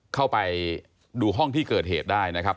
เข้าไปดูห้องที่เกิดเหตุได้นะครับ